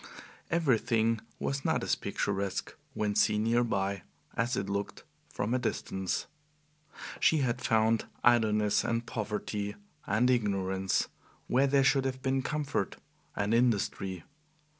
Everything was not as picturesque, when seen near by, as it looked from a distance. She had found idleness and poverty and ignorance where there should have been comfort and industry.